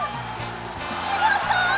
きまった！